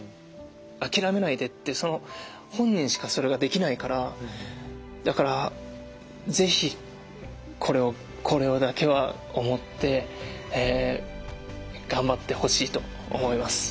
諦めないでってその本人しかそれができないからだから是非これをこれだけは思って頑張ってほしいと思います。